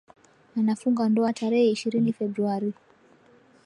Anafunga ndoa tarehe ishirini februari